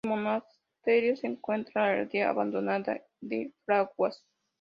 En Monasterio se encuentra la aldea abandonada de Fraguas.